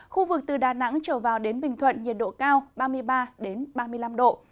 khu vực từ đà nẵng trở vào đến bình thuận nhiệt độ cao ba mươi ba ba mươi năm độ